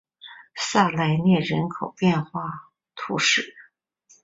萨莱涅人口变化图示